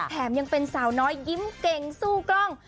แถมยังเป็นสาวน้อยยิ้มเก่งสู้กล้อง